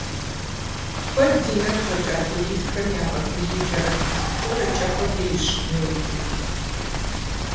Куэд зи нэгу щӀэкӀа туристхэм яфӀэтелъыджэ архитектурэкӀэ къулейщ Мельбурн.